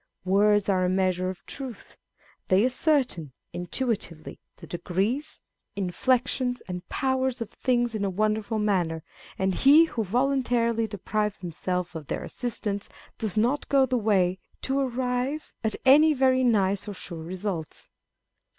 Words are a measure of truth. They ascertain (intuitively) the degrees, inflec On People of Sense. 351 tions, and powers of tilings in a wonderful manner ; and he who voluntarily deprives himself of their assistance, does not go the way to arrive at any very nice or sure results.